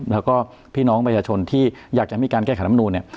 แล้วก็พี่น้องประชาชนที่อยากจะมีการแก้ไขรำนูนเนี่ย